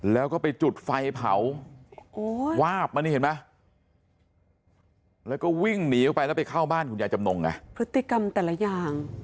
แล้วก็วิ่งหนีเข้าไปแล้วไปเข้าบ้านคุณยาจำนงค์อ่ะพฤติกรรมแต่ละอย่าง